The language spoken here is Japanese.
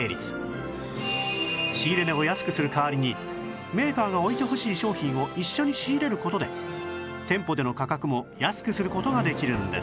仕入れ値を安くする代わりにメーカーが置いてほしい商品を一緒に仕入れる事で店舗での価格も安くする事ができるんです